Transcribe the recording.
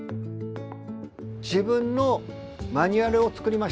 自分のマニュアルを作りました。